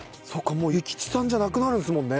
もう諭吉さんじゃなくなるんですもんね